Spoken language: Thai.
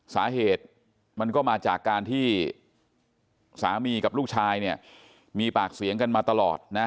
สาเหตุมันก็มาจากการที่สามีกับลูกชายเนี่ยมีปากเสียงกันมาตลอดนะ